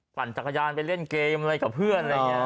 ปั่นจักรยานไปเล่นเกมอะไรกับเพื่อน